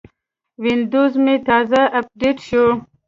وینډوز مې تازه اپډیټ شو.